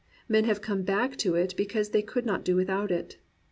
Men have come back to it because they could not do without it.